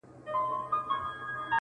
سره غرمه وه لار اوږده بټي بیابان وو،